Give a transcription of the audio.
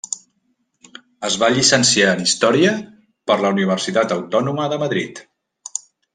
Es va llicenciar en Història per la Universitat Autònoma de Madrid.